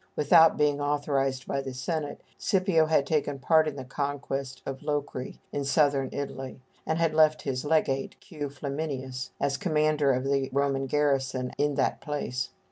Without being authorized by the Senate, Scipio had taken part in the conquest of Locri, in Southern Italy, and had left his legate, Q. Flaminius, as commander of the Roman garrison in that place.